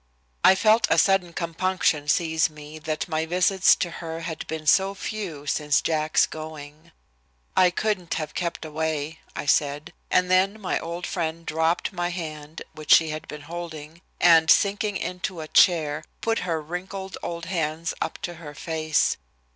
I felt a sudden compunction seize me that my visits to her had been so few since Jack's going. "I couldn't have kept away," I said, and then my old friend dropped my hand, which she had been holding, and, sinking into a chair, put her wrinkled old hands up to her face.